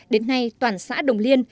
đến nay toàn xã đồng liên